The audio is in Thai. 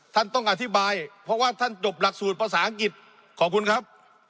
ท่านต้องอธิบายเพราะว่าท่านจบหลักสูตรภาษาอังกฤษขอบคุณครับ